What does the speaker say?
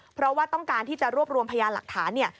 เพราะว่าต้องการที่จะรวบรวมพยานหลักฐานเนี่ย